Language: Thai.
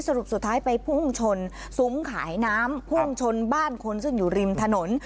สรุปสุดท้ายไปพุ่งชนซุ้มขายน้ำพุ่งชนบ้านคนซึ่งอยู่ริมถนน